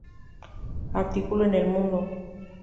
Artículo en El Mundo.